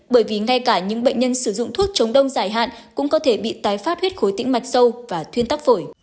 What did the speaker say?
bởi vì ngay cả những bệnh nhân sử dụng thuốc chống đông giải hạn cũng có thể bị tái phát huyết khối tĩnh mạch sâu và thuyên tắc phổi